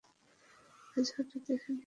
আজ হঠাৎ এখানে কী মনে করে?